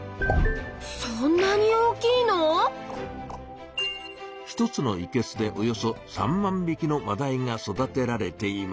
そんなに大きいの⁉１つのいけすでおよそ３万びきのマダイが育てられています。